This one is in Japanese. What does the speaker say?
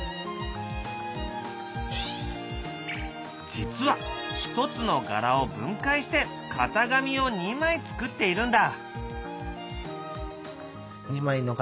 実はひとつの柄を分解して型紙を２枚作っているんだ。